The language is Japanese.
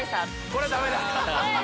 これダメだ。